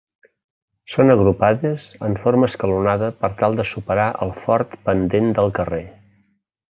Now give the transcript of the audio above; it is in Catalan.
Són agrupades en forma escalonada per tal de superar el fort pendent del carrer.